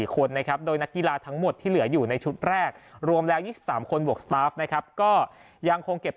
คนนะครับโดยนักกีฬาทั้งหมดที่เหลืออยู่ในชุดแรกรวมแล้ว๒๓คนบวก